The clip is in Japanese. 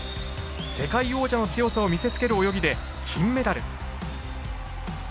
世界王者の強さを見せつける泳ぎで金メダル。